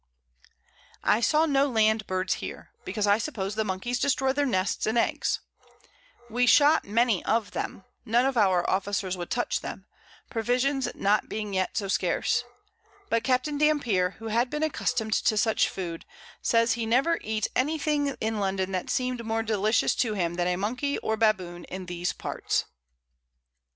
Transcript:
I saw no Land Birds here; because I suppose the Monkeys destroy their Nests and Eggs: We shot many of them, and made Fricassees and Broth for our sick Men; none of our Officers would touch them, Provisions being not yet so scarce; but Capt. Dampier, who had been accustomed to such Food, says he never eat any thing in London that seemed more delicious to him than a Monkey or Baboon in these Parts.